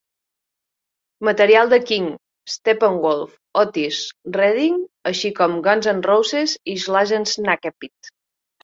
Material de King, Steppenwolf, Otis Redding, així com de Guns N' Roses i Slash's Snakepit.